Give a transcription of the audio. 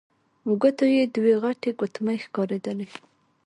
ګوتو يې دوې غټې ګوتمۍ ښکارېدلې.